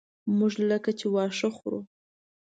موږ لکه چې واښه خورو.